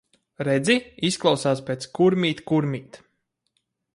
Redzi, izklausās pēc "Kurmīt, kurmīt".